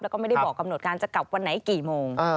แล้วก็ไม่ได้บอกกำหนดการจะกลับวันไหนกี่โมง